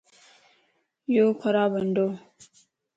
يو خراب ھنڊوَ